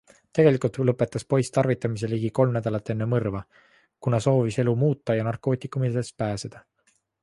Tegelikult lõpetas poiss tarvitamise ligi kolm nädalat enne mõrva, kuna soovis elu muuta ja narkootikumidest pääseda.